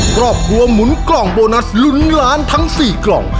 ครอบครัวหมุนกล่องโบนัสลุ้นล้านทั้ง๔กล่อง